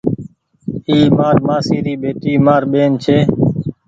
اي مآر مآسي ري ٻيٽي مآر ٻيهن ڇي۔